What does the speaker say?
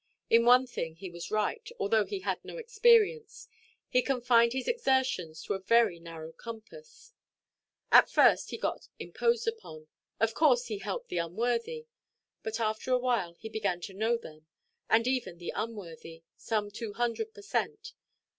In one thing he was right, although he had no experience; he confined his exertions to a very narrow compass. Of course he got imposed upon—of course he helped the unworthy; but after a while he began to know them, and even the unworthy—some two hundred per cent.